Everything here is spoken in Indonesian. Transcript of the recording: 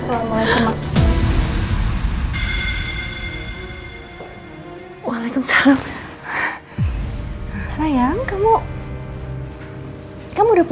aku gak akan sanggup